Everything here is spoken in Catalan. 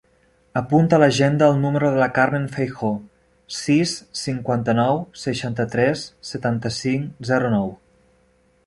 Apunta a l'agenda el número de la Carmen Feijoo: sis, cinquanta-nou, seixanta-tres, setanta-cinc, zero, nou.